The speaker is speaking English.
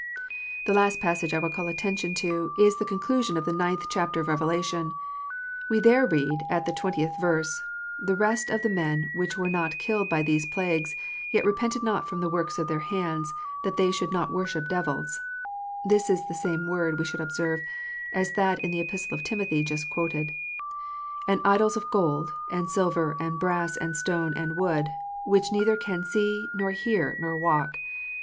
The last passage I will call attention to, is the conclusion of the ninth chapter of Revelation. We there read, at the twentieth verse :" The rest of the men which were not killed by these plagues, yet repented not of the works of their hands, that they should not worship devils " (this is the same word, we should observe, as that in the Epistle to Timothy just quoted), "and idols of gold, and silver, and brass, and stone, and wood : which neither can see, nor hear, nor walk."